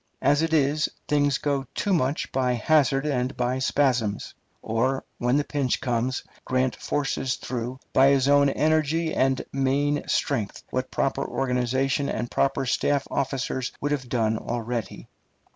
As it is, things go too much by hazard and by spasms; or, when the pinch comes, Grant forces through, by his own energy and main strength, what proper organization and proper staff officers would have done already.